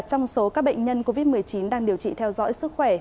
trong số các bệnh nhân covid một mươi chín đang điều trị theo dõi sức khỏe